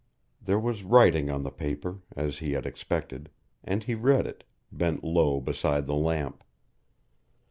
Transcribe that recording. There was writing on the paper, as he had expected, and he read it, bent low beside the lamp.